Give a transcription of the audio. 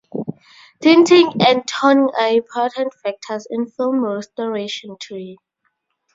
Tinting and toning are important factors in film restoration today.